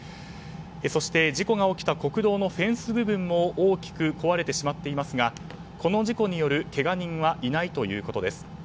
そして事故が起きた国道のフェンス部分も、大きく壊れてしまっていますがこの事故によるけが人はいないということです。